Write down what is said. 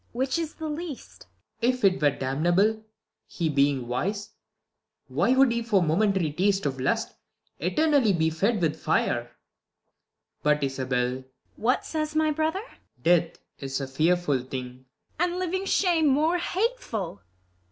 ISAB. Which is the least ? Claud. If it were damnable, he being wise Why would he for the momentary taste Of lust, eternally be fed Avith fire I But Isabell ISAB. What says my brother ?■ Claud. Death is a fearful thing ! IsAB. And living shame more hateful